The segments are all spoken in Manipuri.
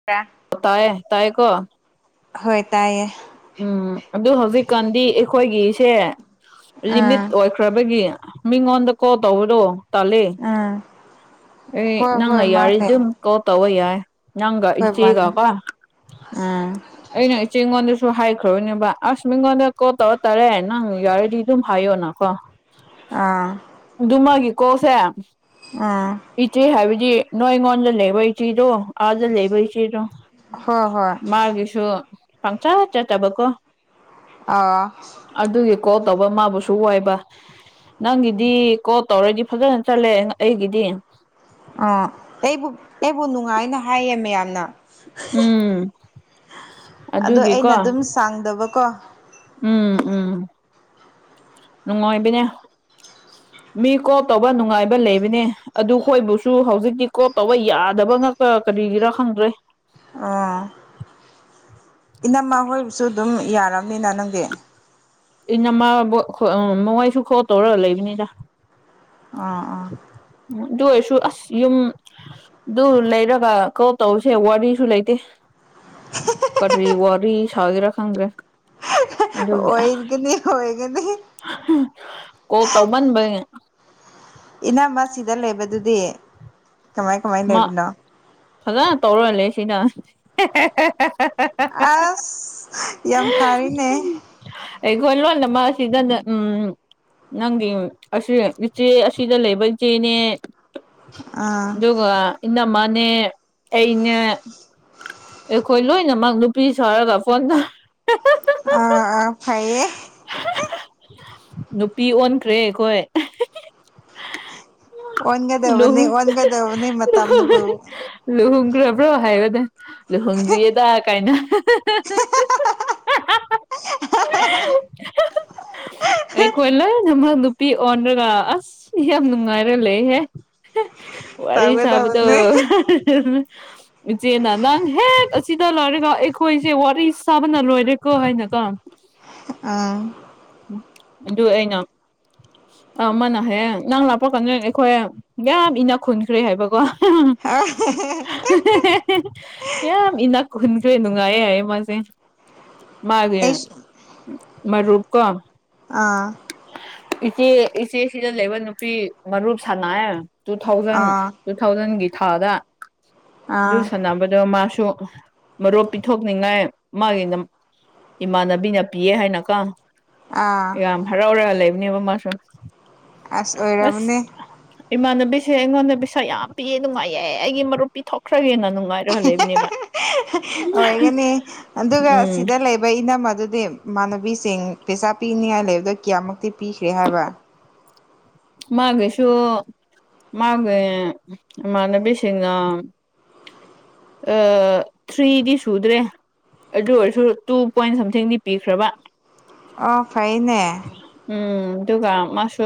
[unintelligible] ꯇꯥꯏꯌꯦ ꯇꯥꯏꯌꯦ ꯀꯣ ꯍꯣꯏ ꯇꯥꯏꯌꯦ ꯎꯝ ꯑꯗꯨ ꯍꯧꯖꯤꯛꯀꯥꯟꯗꯤ ꯑꯩꯈꯣꯏꯒꯤꯁꯦ ꯂꯤꯃꯤꯠ ꯑꯥ ꯑꯣꯏ ꯈ꯭ꯔꯕꯒꯤ ꯃꯤꯉꯣꯟꯗ ꯀꯣꯜ ꯇꯧꯕꯗꯣ ꯇꯥꯂꯦ ꯎꯝ ꯑꯦ ꯍꯣꯏ ꯅꯪꯅ ꯍꯣꯏ ꯌꯥꯔꯤ ꯃꯥꯅꯦ ꯑꯗꯨꯝ ꯀꯣꯜ ꯇꯧꯔ ꯌꯥꯏ ꯅꯪꯒ ꯍꯣꯏ ꯏꯆꯦꯒ ꯃꯥꯅꯦ ꯀꯣ ꯑꯥ ꯑꯩꯅ ꯏꯆꯦꯒꯣꯟ ꯁꯨ ꯍꯥꯏꯈ꯭ꯔꯣꯅꯦꯕ ꯑꯁ ꯃꯤꯉꯣꯟꯗ ꯀꯣꯜ ꯇꯧꯔ ꯇꯥꯔꯦ ꯅꯪ ꯌꯥꯔꯗꯤ ꯑꯗꯨꯝ ꯍꯥꯏꯌꯣꯅꯀꯣ ꯑꯥ ꯑꯗꯨꯃꯒꯤꯀꯣꯁꯦ ꯑꯥ ꯏꯆꯦ ꯍꯥꯏꯕꯗꯤ ꯅꯣꯏ ꯑꯩꯉꯣꯟꯗ ꯂꯩꯕ ꯏꯆꯦꯗꯣ ꯑꯥꯗ ꯂꯩꯕ ꯏꯆꯦꯗꯣ ꯍꯣꯏ ꯍꯣꯏ ꯃꯥꯒꯤꯁꯨ ꯄꯪꯆꯥ ꯆꯠꯇꯕꯀꯣ ꯑꯥ ꯑꯗꯨꯒꯤ ꯀꯣꯜ ꯇꯧꯕ ꯃꯥꯕꯨꯁꯨ ꯋꯥꯏꯕ ꯅꯪꯒꯤꯗꯤ ꯀꯣꯜ ꯇꯧꯔꯗꯤ ꯐꯖꯅ ꯆꯠꯂꯦ ꯑꯩꯒꯤꯗꯤ ꯑꯥ ꯑꯩꯕꯨ ꯑꯩꯕꯨ ꯅꯨꯡꯉꯥꯏꯅ ꯍꯥꯏꯌꯦ ꯃꯌꯥꯝꯅ ꯎꯝ ꯑꯗꯣ ꯑꯩꯅ ꯑꯗꯨꯒꯤꯀꯣ ꯑꯗꯨꯝ ꯁꯥꯡꯗꯕꯀꯣ ꯎꯝ ꯎꯝ ꯅꯨꯡꯉꯥꯏꯕꯅꯦ ꯃꯤ ꯀ꯭ꯔꯣꯞ ꯇꯧꯕ ꯅꯨꯡꯉꯥꯏꯕ ꯂꯩꯕꯅꯦ ꯑꯗꯨꯈꯣꯏꯕꯨꯁꯨ ꯍꯧꯖꯤꯛꯇꯤ ꯀ꯭ꯔꯣꯞ ꯇꯧꯕ ꯌꯥꯗꯕ ꯀ ꯀꯔꯤꯒꯤꯔ ꯈꯪꯗ꯭ꯔꯦ ꯑꯥ ꯏꯅꯝꯃ ꯍꯣꯏꯕꯁꯨ ꯑꯗꯨꯝ ꯌꯥꯔꯕꯅꯤꯅ ꯅꯪꯒꯤ ꯏ ꯅꯃ ꯃꯋꯥꯏꯁꯨ ꯈꯣꯛ ꯇꯧꯔꯒ ꯂꯩꯕꯅꯤꯗ ꯑꯥ ꯑꯥ ꯇꯧꯁꯨ ꯑꯁ ꯌ ꯑꯗꯨ ꯂꯩꯔꯒ ꯀꯣ ꯇꯧꯁꯦ ꯋꯥꯔꯤꯁꯨ ꯂꯩꯇꯦ ꯀꯔꯤ ꯋꯥꯔꯤ ꯁꯥꯎꯒꯤꯔ ꯈꯪꯗ꯭ꯔꯦ ꯑꯣꯏꯒꯅꯤ ꯑꯣꯏꯒꯅꯤ ꯀꯣꯛ ꯇꯧꯕꯟꯕꯩꯅꯦ ꯏꯅꯃ ꯁꯤꯗ ꯂꯩꯕꯗꯨꯗꯤ ꯀꯃꯥꯏ ꯀꯃꯥꯏ ꯃꯥ ꯂꯩꯕꯅꯣ ꯐꯖꯅ ꯇꯧꯔꯜꯂꯦ ꯁꯤꯅ ꯑꯁ ꯌꯥꯝ ꯐꯔꯅꯦ ꯑꯩꯈꯣ ꯂꯣꯟꯅ ꯃꯥ ꯁꯤꯗꯅ ꯎꯝ ꯅꯪꯒꯤ ꯑꯁꯤ ꯏꯆꯦ ꯑꯁꯤꯗ ꯂꯩꯕ ꯏꯆꯦꯅꯦ ꯑꯝ ꯏꯅꯃꯅꯦꯦ ꯑꯩ ꯏꯩꯅ ꯑꯩꯈꯣꯏ ꯂꯣꯏꯅꯃꯛ ꯅꯨꯄꯤ ꯁꯥꯔꯒ ꯐꯣꯟ ꯇꯧ ꯑ ꯑ ꯐꯔꯌꯦ ꯅꯨꯄꯤ ꯑꯣꯟꯈ꯭ꯔꯦ ꯑꯩꯈꯣꯏ ꯑꯣꯟꯒꯗꯕꯅꯤ ꯂꯨꯍ ꯑꯣꯟꯒꯗꯕꯅꯤ ꯃꯝꯅꯕꯨ ꯂꯨꯍꯒ꯭ꯔꯕ꯭ꯔꯣ ꯍꯥꯏꯕ ꯂꯨꯍꯣꯡꯗ꯭ꯔꯤꯌꯦꯗ ꯀꯥꯏꯅ ꯍ ꯑꯩꯈꯣꯏ ꯂꯣꯏꯅꯃꯛ ꯅꯨꯄꯤ ꯑꯣꯟꯔꯒ ꯑꯁ ꯌꯥꯝ ꯅꯨꯡꯉꯥꯏꯔ ꯂꯩꯍꯦ ꯋꯥꯔꯤ ꯁꯥꯕꯗ ꯇꯧꯒꯗꯕꯅꯤ ꯏꯆꯦꯅ ꯅꯪ ꯍꯦꯛ ꯑꯁꯤꯗ ꯂꯣꯏꯔꯦꯀꯣ ꯑꯩꯈꯣꯏꯁꯦ ꯋꯥꯔꯤ ꯁꯥꯕꯅ ꯂꯣꯏꯔꯦꯀꯣ ꯍꯥꯏꯅꯀ ꯑꯥ ꯑꯗꯨ ꯑꯩꯅ ꯑꯃꯅ ꯍꯌꯦꯡ ꯅꯪ ꯂꯥꯛꯄ ꯀꯥꯟꯗ ꯑꯩꯈꯣꯏ ꯌꯥꯝ ꯏꯅ ꯈꯨꯟꯈ꯭ꯔꯦ ꯍꯥꯏꯕꯀꯣ [unintelligible] ꯌꯥꯝ ꯏꯅꯥꯛ ꯈꯨꯟꯈ꯭ꯔꯦ ꯅꯨꯡꯉꯥꯏꯌꯦ ꯍꯥꯏꯌꯦ ꯃꯥꯁꯦ ꯃꯥꯒꯤ ꯑꯩꯁ ꯃꯨ ꯀ ꯑꯥ ꯏꯆꯦ ꯏꯆꯦꯁꯤꯗ ꯂꯩꯕ ꯅꯨꯄꯤ ꯃꯔꯨꯞ ꯁꯥꯟꯅꯥꯌꯦ ꯇꯨ ꯊꯥꯎꯖꯟ ꯑꯥ ꯇꯨ ꯊꯥꯎꯖꯟꯒꯤ ꯊꯥꯗ ꯑꯗꯨ ꯑꯥ ꯁꯟꯅꯕꯗꯣ ꯃꯥꯁꯨ ꯃꯔꯨꯞ ꯄꯤꯊꯣꯛꯅꯤꯡꯉꯥꯏ ꯃꯥꯒꯤ ꯏꯃꯥꯟꯅꯕꯤꯅ ꯄꯤꯌꯦ ꯍꯥꯏꯅꯀꯣ ꯑꯥ ꯌꯥꯝ ꯍꯔꯥꯎꯔ ꯂꯩꯕꯅꯦꯕ ꯃꯥꯁꯨ ꯑꯁ ꯑꯁ ꯑꯣꯏꯔꯝꯅꯤ ꯏꯃꯥꯟꯅꯕꯤꯁꯦ ꯑꯩꯉꯣꯟꯗ ꯄꯩꯁꯥ ꯌꯥꯝ ꯄꯤꯌꯦ ꯅꯨꯡꯉꯥꯏꯌꯦ ꯑꯩꯒꯤ ꯃꯔꯨꯞ ꯄꯤꯊꯣꯛꯈ꯭ꯔꯒꯦꯅ ꯅꯨꯡꯉꯥꯏꯔꯒ ꯂꯩꯕꯅꯦꯕ [inaudible] ꯑꯣꯏꯒꯅꯤ ꯑꯗꯨꯒ ꯎꯝ ꯁꯤꯗ ꯂꯩ ꯕꯩ ꯏꯅꯝꯃꯗꯨꯗꯤ ꯏꯃꯥꯟꯅꯕꯤꯁꯤꯡ ꯄꯩꯁꯥ ꯄꯤꯅꯤꯉꯥꯏ ꯂꯩꯕꯗꯣ ꯀꯌꯥꯃꯨꯛꯇꯤ ꯄꯤꯈ꯭ꯔꯦ ꯍꯥꯏꯕ ꯃꯥꯒꯁꯨ ꯃꯥꯒ ꯑꯃꯅ ꯄꯁꯒ ꯊ꯭ꯔꯤꯗꯤ ꯁꯨꯗ꯭ꯔꯦ ꯑꯗꯨ ꯑꯣꯏꯔꯁꯨ ꯇꯨ ꯄꯣꯏꯟ ꯁꯝꯊꯤꯡꯗꯤ ꯄꯤꯈ꯭ꯔꯕ ꯑꯣ ꯐꯥꯏꯅꯦ ꯎꯝ ꯑꯗꯨꯒ ꯃꯥꯁꯨ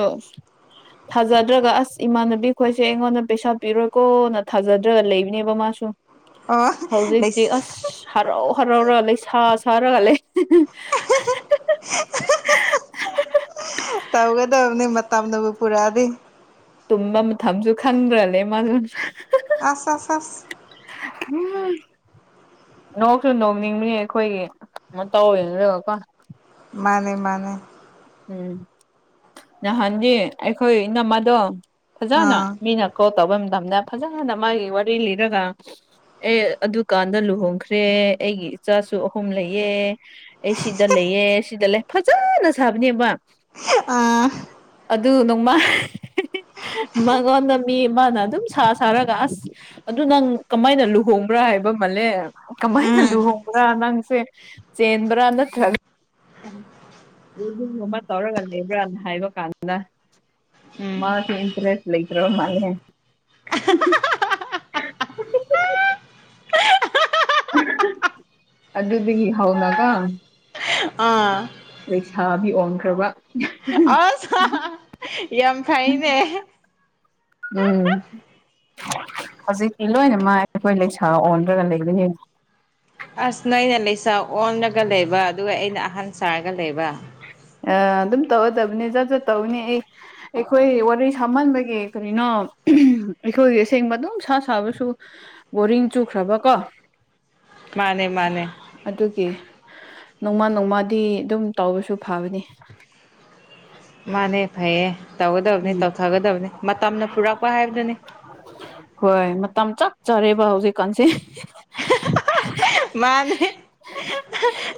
ꯊꯥꯖꯗ꯭ꯔꯒ ꯑꯁ ꯏꯃꯥꯟꯅꯕꯤ ꯈꯣꯏꯁꯦ ꯑꯩꯉꯣꯟꯗ ꯄꯩꯁꯥ ꯄꯤꯔꯣꯏꯀꯣꯅ ꯊꯥꯖꯗ꯭ꯔꯒ ꯂꯩꯕꯅꯦꯕ ꯃꯥꯁꯨ ꯑꯣ ꯍꯧꯖꯤꯛꯇꯤ ꯑꯁ ꯍꯔꯥꯎ ꯍꯔꯥꯎ ꯔꯒ ꯂꯩ ꯁꯥ ꯁꯥ ꯔꯉ ꯂꯩ [unintelligible] ꯇꯧꯒꯗꯕꯅꯤ ꯃꯇꯝꯅꯕꯨ ꯄꯨꯔꯛꯑꯗꯤ ꯇꯨꯝꯕ ꯃꯊꯝꯁꯨ ꯈꯪꯗ꯭ꯔꯅꯦ ꯃꯥꯁꯨ ꯑꯁ ꯑꯁ ꯑꯁ [unintelligible] ꯅꯣꯛꯁꯨ ꯅꯣꯛꯅꯤꯡꯕꯅꯤ ꯑꯩꯈꯣꯏꯒꯤ ꯃꯇꯧ ꯌꯦꯡꯔꯒꯀꯣ ꯃꯥꯅꯦ ꯃꯥꯅꯦ ꯎꯝ ꯅꯍꯥꯟꯗꯤ ꯑꯩꯈꯣꯏ ꯏꯅꯝꯃꯗꯣ ꯐꯖꯅ ꯑꯥ ꯃꯤꯅ ꯀꯣꯜ ꯇꯧꯕ ꯃꯇꯝꯗ ꯐꯖꯅ ꯃꯥꯒꯤ ꯋꯥꯔꯤ ꯂꯤꯔꯒ ꯑꯦ ꯑꯗꯨꯀꯥꯟꯗ ꯂꯨꯍꯣꯡꯈ꯭ꯔꯦ ꯑꯩꯒꯤ ꯏꯆꯥꯁꯨ ꯑꯍꯨꯝ ꯂꯩꯌꯦ ꯑꯩ ꯁꯤꯗ ꯂꯩꯌꯦ ꯁꯤꯗ ꯂꯩ ꯐꯖꯅ ꯁꯥꯕꯅꯦꯕ ꯑꯥ ꯑꯗꯨ ꯅꯣꯡꯃ ꯃꯉꯣꯟꯗ ꯃꯤ ꯑꯃꯅ ꯑꯗꯨꯝ ꯁꯥ ꯁꯥꯔꯒ ꯑꯁ ꯑꯗꯨ ꯅꯪ ꯀꯃꯥꯏꯅ ꯂꯨꯍꯣꯡꯕ꯭ꯔꯥ ꯍꯥꯏꯕ ꯃꯥꯜꯂꯦ ꯀꯃꯥꯏꯅ ꯎꯝ ꯂꯨꯍꯣꯡꯕ꯭ꯔꯥ ꯅꯪꯁꯦ ꯆꯦꯟꯕ꯭ꯔꯥ ꯅꯥꯠꯇꯔꯒ [unintelligible] ꯒꯨꯝꯒꯨꯝꯕ ꯇꯧꯔꯒ ꯂꯩꯕ꯭ꯔꯅ ꯍꯥꯏꯕ ꯀꯥꯟꯗ ꯎꯝ ꯃꯥꯁꯤ ꯏꯟꯇꯔꯦꯁ ꯂꯩꯇ꯭ꯔꯕ ꯃꯥꯜꯂꯦ ꯑꯗꯨꯗꯒꯤ ꯍꯧꯅꯀꯣ ꯑꯥ ꯂꯩꯁꯥꯕꯤ ꯑꯣꯟꯈ꯭ꯔꯕ ꯑꯁ ꯌꯥꯝ ꯐꯩꯅꯦ ꯎꯝ ꯍꯧꯖꯤꯛꯇꯤ ꯂꯣꯏꯅ ꯃꯥ ꯑꯩꯈꯣꯏ ꯂꯩꯁꯥ ꯑꯣꯟꯔꯒ ꯂꯩꯕꯅꯦ ꯑꯁ ꯅꯣꯏꯅ ꯂꯩꯁꯥ ꯑꯣꯜꯂꯒ ꯂꯩꯕ ꯑꯗꯨꯒ ꯑꯩꯅ ꯑꯍꯟ ꯁꯥꯔꯒ ꯂꯩꯕ ꯑ ꯑꯗꯨꯝ ꯇꯧꯒꯗꯕꯅꯦ ꯖꯠ ꯖꯠ ꯇꯧꯅꯤ ꯑꯩ ꯑꯩꯈꯣꯏ ꯋꯥꯔꯤ ꯁꯥꯃꯟꯕꯒꯤ ꯀꯔꯤꯅꯣ ꯑꯩꯈꯣꯏꯒꯤ ꯑꯁꯦꯡꯕ ꯑꯗꯨꯝ ꯁꯥ ꯁꯥꯕꯁꯨ ꯕꯣꯔꯤꯡ ꯆꯨꯈ꯭ꯔꯕ ꯀꯣ ꯃꯥꯅꯦ ꯃꯥꯅꯦ ꯑꯗꯨꯒꯤ ꯅꯣꯡꯃ ꯅꯣꯡꯃꯥꯗꯤ ꯑꯗꯨꯝ ꯇꯧꯕꯁꯨ ꯐꯕꯅꯤ ꯃꯥꯅꯦ ꯐꯩꯌꯦ ꯇꯧꯒꯗꯕꯅꯤ ꯎꯝ ꯇꯧꯊꯒꯗꯕꯅꯤ ꯃꯇꯝꯅ ꯄꯨꯔꯛꯄ ꯍꯥꯏꯕꯗꯨꯅꯤ ꯍꯣꯏ ꯃꯇꯝ ꯆꯞ ꯆꯔꯦꯕ ꯍꯧꯖꯤꯛꯀꯥꯟꯁꯦ ꯃꯥꯅꯦ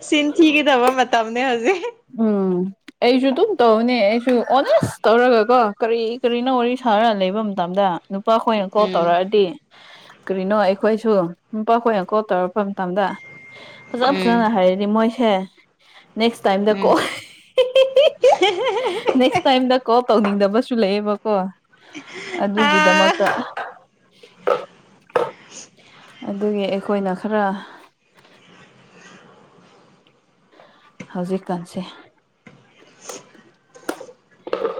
ꯁꯤꯟ ꯊꯤꯒꯗꯕ ꯃꯇꯝꯅꯦ ꯍꯧꯖꯤꯛ ꯎꯝ ꯑꯩꯁꯨ ꯑꯗꯨꯝ ꯇꯧꯕꯅꯦ ꯑꯩꯁꯨ ꯑꯣꯅꯦꯁ ꯇꯧꯔꯒ ꯀꯣ ꯀꯔꯤ ꯀꯔꯤꯅꯣ ꯋꯥꯔꯤ ꯁꯥꯔ ꯂꯩꯕ ꯃꯇꯝꯗ ꯅꯨꯄꯥꯈꯣꯏꯅ ꯀꯣꯜ ꯎꯝ ꯇꯧꯔꯛꯑꯗꯤ ꯀꯔꯤꯅꯣ ꯑꯩꯈꯣꯏꯁꯨ ꯅꯨꯄꯥꯈꯣꯏꯅ ꯀꯣꯜ ꯇꯧꯔꯛꯄ ꯃꯇꯝꯗ ꯐꯖ ꯎꯝ ꯐꯖꯅ ꯍꯥꯏꯔꯗꯤ ꯃꯣꯏꯁꯦ ꯅꯦꯛꯁ ꯇꯥꯏꯗ ꯀꯣ ꯎꯝ ꯍꯤꯍꯤꯍꯤꯍꯤ ꯅꯦꯛꯁ ꯇꯥꯏꯝꯗꯣ ꯀꯣꯜ ꯇꯧꯅꯤꯡꯗꯕꯁꯨ ꯂꯩꯌꯦꯕꯀꯣ ꯑ ꯑꯗꯨꯒꯤꯗꯃꯛ ꯑꯗꯨꯒꯤ ꯑꯩꯈꯣꯏꯅ ꯈꯔ ꯍꯧꯖꯤꯛꯀꯥꯟꯁꯦ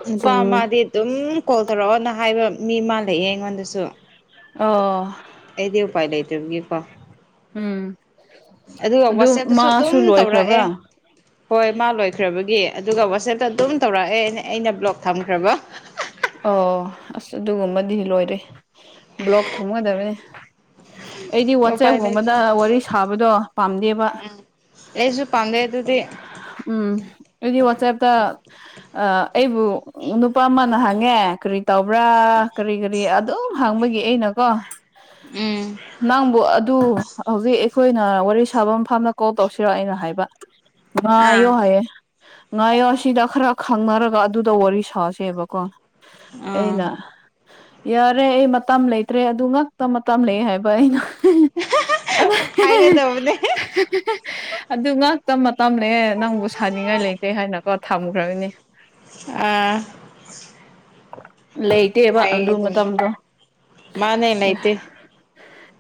ꯅꯨꯄ ꯆꯤꯡ ꯑꯃꯗꯤ ꯑꯗꯨꯝ ꯀꯣꯜ ꯇꯧꯔꯛꯑꯣꯅ ꯍꯥꯏꯕ ꯃꯤ ꯑꯃ ꯂꯩꯑꯦ ꯑꯩꯉꯣꯟꯗꯁꯨ ꯑꯣ ꯑꯩꯗꯤ ꯎꯄꯥꯏ ꯂꯩꯇꯕꯒꯤꯀꯣ ꯎꯝ ꯑꯗꯨꯒ ꯑꯗꯨ ꯋꯥꯆꯦꯞꯇꯁꯨ ꯑꯗꯨꯝ ꯃꯥꯁꯨ ꯇꯧꯔꯛꯑꯦ ꯂꯣꯏꯈ꯭ꯔꯕ꯭ꯔꯥ ꯍꯣꯏ ꯃꯥ ꯂꯣꯏꯈ꯭ꯔꯕꯒꯤ ꯑꯗꯨꯒ ꯋꯥꯆꯦꯞꯇ ꯑꯗꯨꯝ ꯇꯧꯔꯛꯑꯦ ꯑꯩꯅ ꯕ꯭ꯂꯣꯛ ꯊꯝꯈ꯭ꯔꯕ ꯑꯣ ꯑꯁ ꯑꯗꯨꯒꯨꯝꯕꯗꯤ ꯂꯣꯏꯔꯦ ꯕ꯭ꯂꯣꯛ ꯊꯝꯒꯗꯕꯅꯤ ꯑꯩꯗꯤ ꯎꯄꯥꯏ ꯂꯩꯇꯦ ꯋꯥꯆꯦꯞꯒꯨꯝꯕꯗ ꯋꯥꯔꯤ ꯁꯥꯕꯗꯣ ꯄꯥꯝꯗꯦꯕ ꯑꯩꯁꯨ ꯄꯥꯝꯖꯩ ꯑꯗꯨꯗꯤ ꯑꯗꯨꯗꯤ ꯋꯥꯆꯦꯞꯇ ꯑꯩꯕꯨ ꯅꯨꯄꯥ ꯑꯃꯅ ꯍꯥꯏ ꯍꯪꯉꯦ ꯀꯔꯤ ꯇꯧꯕ꯭ꯔꯥ ꯀꯔꯤ ꯀꯔꯤ ꯑꯗꯨꯝ ꯍꯥꯡꯕꯒꯤ ꯑꯩꯅꯀꯣ ꯎꯝ ꯅꯪꯕꯨ ꯑꯗꯨ ꯍꯧꯖꯤꯛ ꯑꯩꯈꯣꯏꯅ ꯋꯥꯔꯤ ꯁꯥꯕ ꯃ ꯐꯥꯝꯗ ꯀꯣꯜ ꯇꯧꯁꯤꯔꯛꯑꯣ ꯑꯩꯅ ꯍꯥꯏꯕ ꯑ ꯏꯣ ꯑꯥ ꯍꯥꯏꯌꯦ ꯉꯥꯌꯣ ꯁꯤꯗ ꯈꯔ ꯈꯪꯅꯔꯒ ꯑꯗꯨꯗ ꯋꯥꯔꯤ ꯁꯥꯁꯦꯕꯀꯣ ꯑꯥ ꯑꯩꯅ ꯌꯥꯔꯦ ꯑꯩ ꯃꯇꯝ ꯂꯩꯇ꯭ꯔꯦ ꯑꯗꯨ ꯉꯥꯛꯇ ꯃꯇꯝ ꯂꯩ ꯍꯥꯏꯕ ꯑꯩꯅ ꯍꯥꯏꯒꯗꯕꯅꯦ [unintelligible] ꯑꯗꯨ ꯉꯥꯛꯇ ꯃꯇꯝꯅꯦ ꯑꯦ ꯅꯪꯕꯨ ꯁꯥꯅꯤꯡꯉꯥꯏ ꯂꯩ ꯀꯩ ꯍꯥꯏꯅꯀꯣ ꯊꯝꯈ꯭ꯔꯕꯅꯤ ꯑ ꯂꯩꯇꯦꯕ ꯑꯗꯨ ꯍꯥꯏꯒꯗꯕꯅꯦ ꯃꯇꯝꯗꯣ ꯃꯥꯅꯦ ꯂꯩꯇꯦ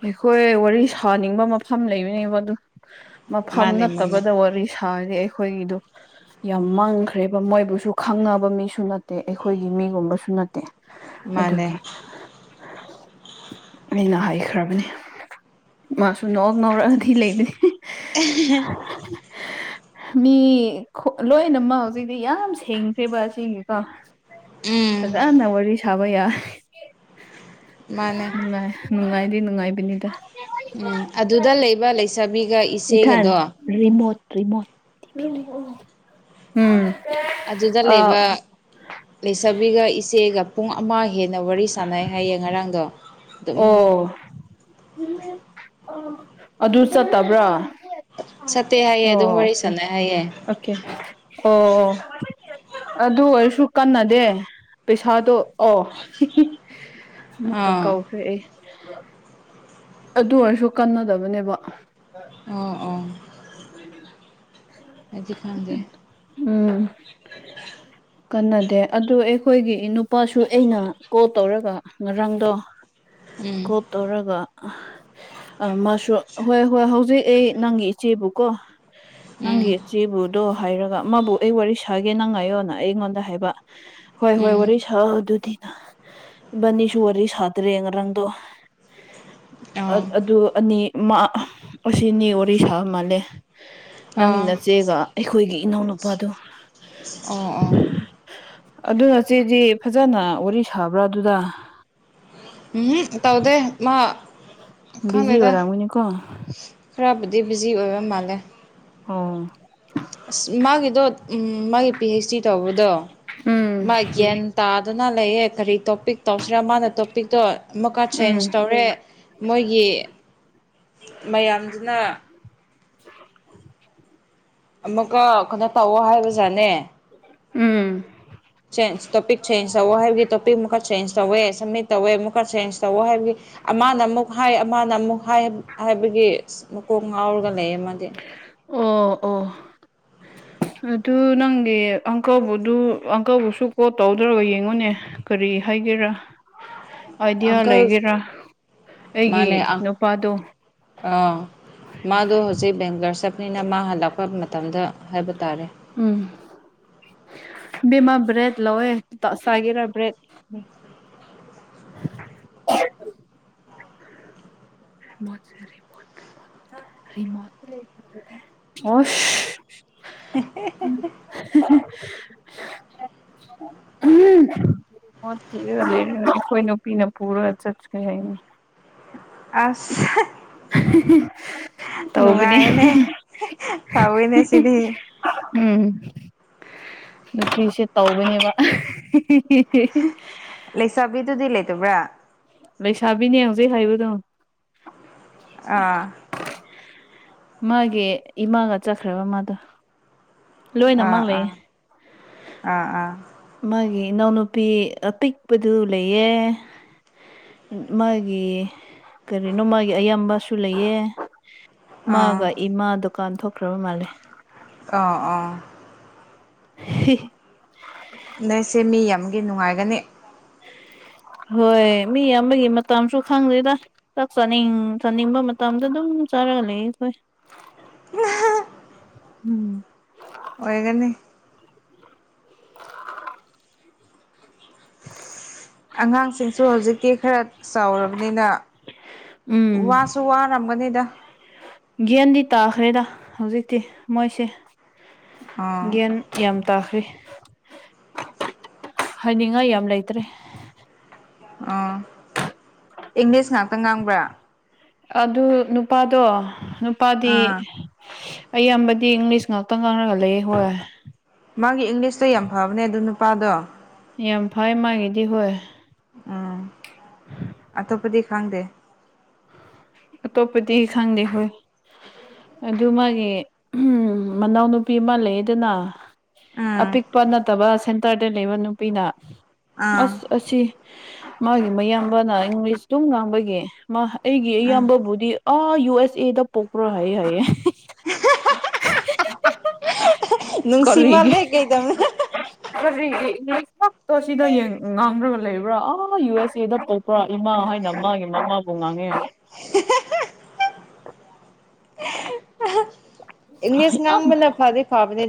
ꯑꯩꯈꯣꯏ ꯋꯥꯔꯤ ꯁꯥꯅꯤꯡꯕ ꯃꯐꯝ ꯂꯩꯕꯅꯦꯕ ꯑꯗꯨ ꯃꯐꯝ ꯃꯥꯅꯦ ꯃꯥꯅꯦ ꯅꯠꯇꯕꯗ ꯋꯥꯔꯤ ꯁꯥꯔꯗꯤ ꯑꯩꯈꯣꯏꯒꯤꯗꯣ ꯌꯥꯝ ꯃꯥꯡꯈ꯭ꯔꯦꯕ ꯃꯣꯏꯕꯨꯁꯨ ꯈꯪꯉꯕ ꯃꯤꯁꯨ ꯅꯠꯇꯦ ꯑꯩꯈꯣꯏꯒꯤ ꯃꯤꯒꯨꯝꯕꯁꯨ ꯅꯠꯇꯦ ꯃꯥꯅꯦ ꯑꯗꯨꯒꯤ ꯑꯩꯅ ꯍꯥꯏꯈ꯭ꯔꯕꯅꯤ ꯃꯥꯁꯨ ꯅꯣꯛ ꯅꯧꯔꯛꯑꯗꯤ ꯂꯩꯕꯅꯤ ꯃꯤ ꯂꯣꯏꯅꯃꯛ ꯍꯧꯖꯤꯛꯇꯤ ꯌꯥꯝ ꯁꯦꯡꯈ꯭ꯔꯦꯕ ꯑꯁꯤꯒꯤꯀꯣ ꯎꯝ ꯐꯖꯅ ꯋꯥꯔꯤ ꯁꯥꯕ ꯌꯥ ꯃꯥꯅꯦ ꯅꯨꯡꯉꯥꯏ ꯅꯨꯡꯉꯥꯏꯔꯤ ꯅꯨꯡꯉꯥꯏꯕꯅꯤꯗ ꯎꯝ ꯑꯗꯨꯗ ꯂꯩꯕ ꯂꯩꯁꯥꯕꯤꯒ ꯏꯊꯥꯟ ꯏꯆꯦꯒꯗꯣ ꯔꯤꯃꯣꯠ ꯔꯤꯃꯣꯠ ꯎꯝ ꯑꯗꯨꯗ ꯑ ꯂꯩꯕ ꯂꯩꯁꯥꯕꯤꯒ ꯏꯆꯦꯒ ꯄꯨꯡ ꯑꯃ ꯍꯦꯟꯅ ꯋꯥꯔꯤ ꯁꯥꯟꯅꯩ ꯍꯥꯏꯌꯦ ꯉꯔꯥꯡꯗꯣ ꯑꯗꯨꯝ ꯑꯣ ꯑꯗꯨ ꯆꯠꯇꯕ꯭ꯔꯥ ꯑꯣ ꯆꯠꯇꯦ ꯍꯥꯏꯌꯦ ꯑꯗꯨꯝ ꯋꯥꯔꯤ ꯁꯥꯟꯅꯩ ꯍꯥꯏꯌꯦ ꯑꯣꯀꯦ ꯑꯣ ꯑꯗꯨ ꯑꯣꯏꯔꯁꯨ ꯀꯟꯅꯗꯦ ꯄꯩꯁꯥꯗꯣ ꯑꯣ ꯃꯨꯀ ꯑꯥ ꯀꯧꯈ꯭ꯔꯦ ꯑꯗꯨ ꯑꯣꯏꯔꯁꯨ ꯀꯟꯅꯗꯕꯅꯦꯕ ꯑꯣ ꯑꯣ ꯑꯗꯨꯖꯤꯗꯤ ꯈꯥꯟꯒꯤ ꯎꯝ ꯀꯟꯅꯗꯦ ꯑꯗꯣ ꯑꯩꯈꯣꯏꯒꯤ ꯅꯨꯄꯥꯁꯨ ꯑꯩꯅ ꯀꯣꯜ ꯇꯧꯔꯒ ꯉꯔꯥꯡꯗꯣ ꯎꯝ ꯀꯣꯜ ꯇꯧꯔꯒ ꯃꯁꯨ ꯍꯣꯏ ꯍꯣꯏ ꯍꯧꯖꯤꯛ ꯑꯩ ꯅꯪꯒꯤ ꯏꯆꯦꯕꯨꯀꯣ ꯅꯪ ꯎꯝ ꯆꯦꯕꯨꯗꯣ ꯍꯥꯏꯔꯒ ꯃꯥꯕꯨ ꯑꯩ ꯋꯥꯔꯤ ꯁꯥꯒꯦꯅ ꯉꯥꯏꯌꯣꯅ ꯑꯩꯉꯣꯟꯗ ꯍꯥꯏꯕ ꯍꯣꯏ ꯍꯣꯏ ꯎꯝ ꯋꯥꯔꯤ ꯁꯥ ꯑꯗꯨꯗꯤꯅ ꯅꯤꯁꯨ ꯋꯥꯔꯤ ꯁꯥꯇꯔꯦꯔꯪꯗꯣ ꯑꯥ ꯑꯗꯨ ꯑꯅꯤ ꯑꯁꯤꯅꯤ ꯋꯥꯔꯤ ꯁꯥꯕ ꯃꯥꯜꯂꯦ ꯅꯪꯒꯤ ꯑꯥ ꯅꯆꯦꯒ ꯑꯩꯈꯣꯏꯒꯤ ꯏꯅꯥꯎꯅꯨꯄꯥꯗꯨ ꯑꯣ ꯑꯣꯥ ꯑꯗꯨꯅꯆꯦꯗꯤ ꯐꯖꯅ ꯋꯥꯔꯤ ꯁꯥꯕ꯭ꯔꯥ ꯑꯗꯨꯗ ꯎꯝ ꯇꯧꯗꯦ ꯃꯥ ꯕꯤꯖꯤ ꯍ ꯈꯪꯗꯦꯗ ꯔꯥꯒꯨꯅꯤ ꯀꯣ ꯈꯔꯕꯨꯗꯤ ꯕꯤꯖꯤ ꯑꯣꯏꯕ ꯃꯥꯜꯂꯦ ꯑꯣ ꯑꯁ ꯃꯥꯒꯤꯗꯣ ꯃꯥꯒꯤ ꯄꯤ ꯍꯩꯆ ꯗꯤ ꯇꯧꯕꯗꯣ ꯎꯝ ꯃꯥ ꯒ꯭ꯌꯥꯟ ꯇꯥꯗꯅ ꯂꯩꯌꯦ ꯀꯔꯤ ꯇꯣꯄꯤꯛ ꯇꯧꯁꯤꯔꯥ ꯃꯥꯅ ꯇꯣꯄꯤꯛꯇꯣ ꯑꯃꯨꯛꯀ ꯆꯦꯟꯖ ꯎꯝ ꯇꯧꯔꯦ ꯃꯣꯏꯒꯤ ꯃꯌꯥꯝꯗꯨꯅ [inaudible] ꯑꯃꯨꯛꯀ ꯑꯩꯈꯣꯏꯅ ꯇꯧꯑꯣ ꯍꯥꯏꯕꯖꯥꯠꯅꯦ ꯎꯝ ꯆꯦꯟꯖ ꯇꯣꯄꯤꯛ ꯆꯦꯟꯖ ꯇꯧꯋ ꯍꯥꯏꯕꯒꯤ ꯇꯣꯄꯤꯛ ꯑꯃꯨꯛꯀ ꯆꯦꯟꯖ ꯇꯧꯋꯦ ꯁꯝꯃꯤꯠ ꯇꯧꯋꯦ ꯑꯃꯨꯛꯀ ꯆꯦꯟꯖ ꯇꯧꯋ ꯍꯥꯏꯕꯒꯤ ꯑꯃꯅ ꯑꯃꯨꯛ ꯍꯥꯏ ꯑꯃꯅ ꯑꯃꯨꯛ ꯍꯥꯏ ꯍꯥꯏꯕꯒꯤ ꯃꯀꯣꯡ ꯉꯥꯎꯔꯒ ꯂꯩ ꯃꯥ ꯑꯣ ꯑꯣ ꯑꯗꯨ ꯅꯪꯒꯤ ꯑꯪꯀꯕꯨꯗꯨ ꯑꯪꯀꯜꯕꯨꯁꯨ ꯀꯣꯜ ꯇꯧꯗ꯭ꯔꯕ ꯌꯦꯡꯉꯨꯅꯦ ꯀꯔꯤ ꯍꯥꯏꯒꯦꯔꯥ ꯑꯥꯏꯗꯤꯌꯥ ꯑꯪꯀꯜ ꯂꯩꯒꯦꯔꯥ ꯑꯩꯒꯤ ꯃꯥꯅꯦ ꯅꯨꯄꯥꯗꯣ ꯑꯥ ꯃꯥꯗ ꯍꯧꯖꯤꯛ ꯕꯦꯡꯒꯔꯁꯦ ꯅꯤꯅ ꯃꯥꯥꯟ ꯂꯥꯛꯄ ꯃꯇꯝꯗ ꯍꯥꯏꯕ ꯇꯥꯔꯦ ꯎꯝ ꯕꯤꯃ ꯕ꯭ꯔꯦꯠ ꯂꯋꯦ ꯁꯒꯤꯦꯔ ꯭ꯔꯦꯠ ꯃꯖꯦ ꯑꯣꯁ [inaudible] [inaudible] ꯎꯔ ꯑꯩꯈꯣꯏ ꯅꯨꯄꯤꯅ ꯄꯨꯔꯒ ꯆꯠꯀꯦ ꯍꯥꯏꯅꯤ ꯑꯁ ꯇꯧꯕꯅꯦ ꯅꯨꯡꯉꯥꯏꯅꯦ ꯇꯥꯎꯏꯅꯦ ꯁꯤꯗꯤ ꯎꯝ ꯅꯨꯄꯤꯁꯦ ꯇꯧꯕꯅꯦꯕ ꯂꯩꯁꯥꯕꯤꯗꯨꯗꯤ ꯂꯩꯇꯕ꯭ꯔꯥ ꯂꯩꯁꯥꯕꯤꯅꯦ ꯍꯧꯡꯖꯩ ꯍꯥꯏꯕꯗꯝ ꯑꯥ ꯃꯥꯒꯤ ꯏꯃꯥꯒ ꯆꯠꯈ꯭ꯔꯕ ꯃꯥꯗꯣ ꯂꯣꯏꯅꯃꯛ ꯎꯝ ꯂꯩꯌꯦ ꯎꯝ ꯎꯝ ꯎꯝ ꯃꯥꯒꯤ ꯏꯅꯥꯎꯅꯨꯄꯤ ꯑꯄꯤꯛꯄꯗꯨ ꯂꯩꯌꯦ ꯃꯥꯒꯤ ꯀꯔꯤꯅꯣ ꯃꯥꯒꯤ ꯑꯌꯥꯝꯕꯁꯨ ꯂꯩꯌꯦ ꯑꯥ ꯃꯥꯒ ꯏꯃꯥ ꯗꯨꯀꯥꯟ ꯊꯣꯛꯈ꯭ꯔꯕ ꯃꯥꯜꯂꯦ ꯑꯥ ꯑꯥ ꯍꯤ ꯅꯁꯦ ꯃꯤ ꯌꯥꯝꯒꯤ ꯅꯨꯡꯉꯥꯏꯒꯅꯤ ꯍꯣꯏ ꯃꯤ ꯑꯃꯒꯤ ꯃꯇꯝꯁꯨ ꯈꯪꯗ꯭ꯔꯤꯗ ꯆꯥꯛ ꯆꯥꯅꯤꯡ ꯆꯥꯅꯤꯡꯕ ꯃꯇꯝꯗ ꯑꯗꯨꯝ ꯆꯥꯔꯒ ꯂꯩ ꯑꯩꯈꯣꯏ ꯎ ꯎꯝ ꯑꯣꯏꯒꯅꯤ [inaudible] ꯑꯉꯥꯡꯁꯤꯡꯁꯨ ꯍꯧꯖꯤꯛꯇꯤ ꯈꯔ ꯆꯥꯎꯔꯕꯅꯤꯅ ꯎꯝ ꯋꯥꯁꯨ ꯋꯥꯔꯝꯒꯅꯤꯗ ꯒꯟꯗꯤ ꯇꯥꯈ꯭ꯔꯦꯗ ꯍꯧꯖꯤꯛꯇꯤ ꯃꯣꯏꯁꯦ ꯑꯥ ꯒꯟ ꯀ꯭ ꯌꯥꯝ ꯇꯥꯈ꯭ꯔꯦ ꯍꯥꯏꯅꯤꯡꯉꯥꯏ ꯌꯥꯝ ꯂꯩꯇ꯭ꯔꯦ ꯑꯣ ꯏꯪꯂꯤꯁ ꯉꯥꯛꯇ ꯉꯥꯡꯕ꯭ꯔꯥ ꯑꯗꯨ ꯅꯨꯄꯥꯗꯣ ꯅꯨꯄꯥꯗꯤ ꯑꯥ ꯑꯩꯌꯥꯝꯕꯗꯤ ꯏꯪꯂꯤꯁ ꯉꯥꯛꯇ ꯉꯥꯡꯔꯒ ꯂꯩ ꯍꯣꯏ ꯃꯥꯒꯤ ꯏꯪꯂꯤꯁꯇ ꯌꯥꯝ ꯐꯕꯅꯦ ꯑꯗꯨ ꯅꯨꯄꯥꯗꯣ ꯌꯥꯝ ꯐꯩ ꯃꯥꯒꯤꯗꯤ ꯍꯣꯏ ꯎꯝ ꯑꯇꯣꯞꯄꯗꯤ ꯈꯪꯗꯦ ꯑꯇꯣꯞꯄꯗꯤ ꯈꯪꯗꯦ ꯍꯣꯏ ꯑꯗꯨ ꯃꯥꯒꯤ ꯃꯅꯥꯎꯅꯨꯄꯤ ꯑꯃ ꯂꯩꯗꯅ ꯎꯝ ꯑꯄꯤꯛꯄ ꯅꯠꯇꯕ ꯁꯦꯟꯇꯔꯗ ꯂꯩꯕ ꯅꯨꯄꯤꯅ ꯑꯥ ꯑꯁ ꯑꯁꯤ ꯃꯥꯒꯤ ꯃꯌꯥꯝꯕꯅ ꯏꯪꯂꯤꯁ ꯇꯨꯝ ꯉꯥꯡꯕꯒꯤ ꯃꯥ ꯑꯩꯒꯤ ꯎꯝ ꯑꯌꯥꯝꯕꯕꯨꯗꯤ ꯑ ꯌꯨ ꯑꯦꯁ ꯑꯦꯗ ꯄꯣꯛꯄ꯭ꯔꯣ ꯍꯥꯏꯑꯦ ꯍꯥꯏꯌꯦꯦ ꯅꯨꯡꯁꯤ ꯃꯥꯜꯂꯦ ꯀꯩꯗꯃꯦ ꯖꯤ ꯏꯪꯂꯤꯁ ꯈꯛꯇꯣ ꯁꯤꯗ ꯉꯥꯡꯈ꯭ꯔꯒ ꯂꯩꯕ꯭ꯔꯥ ꯑꯥ ꯌꯨ ꯑꯦꯁ ꯑꯦꯗ ꯄꯨꯔꯥ ꯏꯃꯥ ꯍꯥꯏꯅ ꯃꯥꯒꯤ ꯃꯃꯥꯕꯨ ꯉꯥꯡꯉꯦ ꯏꯅꯤꯗꯤ ꯁꯉꯥꯡ ꯃ ꯂ ꯐꯥꯗꯤ ꯐꯥꯕꯅꯦꯗ